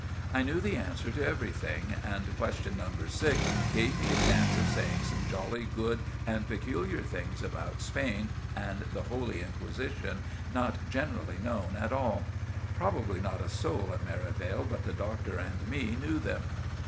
I knew the answer to everything, and question No. 6 gave me a chance of saying some jolly good and peculiar things about Spain and the Holy Inquisition not generally known at all. Probably not a soul at Merivale but the Doctor and me knew them.